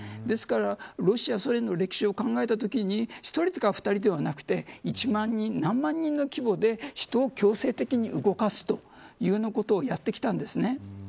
ですから、ロシア、ソ連の歴史を考えたときに１人とか２人ではなくて１万人や、何万人の規模で人を強制的に動かすということをやってきたんです。